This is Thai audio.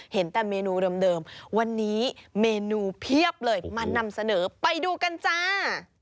เห็นแต่เมนูเดิมวันนี้เมนูเพียบเลยมานำเสนอไปดูกันจ้า